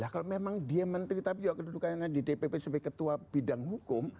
kalau memang dia menteri tapi juga kedudukan yang ada di dpp sebagai ketua bidang hukum